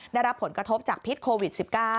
ได้รับผลกระทบจากพิษโควิด๑๙